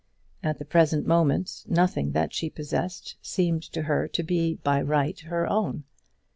At the present moment nothing that she possessed seemed to her to be, by right, her own.